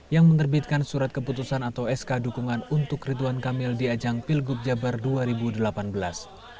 yang menerbitkan surat keputusan atau sk dukungan untuk ridwan kamil di ajang pilgub jabar dua ribu delapan belas